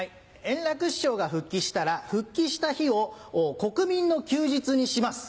円楽師匠が復帰したら復帰した日を国民の休日にします。